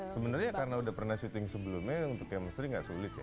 sebenarnya karena udah pernah syuting sebelumnya untuk chemistry nggak sulit ya